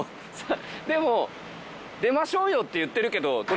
でも「出ましょうよ」って言ってるけどこれ。